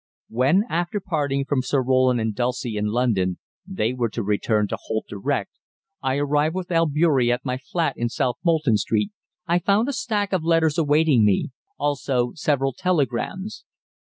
When, after parting from Sir Roland and Dulcie in London they were to return to Holt direct I arrived with Albeury at my flat in South Molton Street, I found a stack of letters awaiting me, also several telegrams.